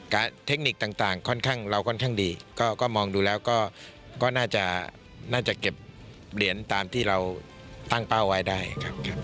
เทคนิคต่างค่อนข้างเราค่อนข้างดีก็มองดูแล้วก็น่าจะเก็บเหรียญตามที่เราตั้งเป้าไว้ได้ครับ